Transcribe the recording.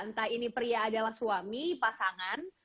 entah ini pria adalah suami pasangan